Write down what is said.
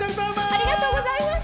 ありがとうございます！